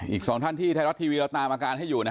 อีก๒ท่านที่ไทยรัฐทีวีเราตามอาการให้อยู่